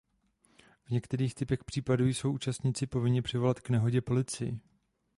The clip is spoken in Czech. V některých typech případů jsou účastníci povinni přivolat k nehodě policii.